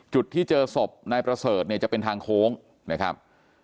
จุดที่เจอศพนายประเสริฐเนี่ยจะเป็นทางโค้งนะครับ